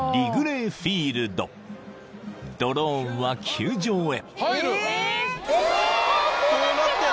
［ドローンは球場へ］